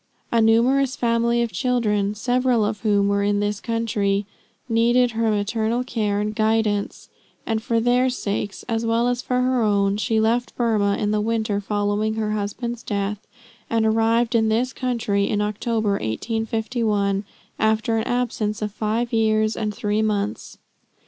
A numerous family of children, several of whom were in this country, needed her maternal care and guidance; and for their sakes, as well as for her own, she left Burmah in the winter following her husband's death, and arrived in this country in October, 1851, after an absence of five years and three months.